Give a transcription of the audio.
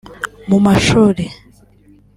mu mashuri